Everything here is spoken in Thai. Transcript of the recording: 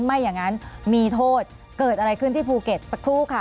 ไม่อย่างนั้นมีโทษเกิดอะไรขึ้นที่ภูเก็ตสักครู่ค่ะ